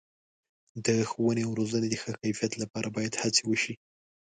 د ښوونې او روزنې د ښه کیفیت لپاره باید هڅې وشي.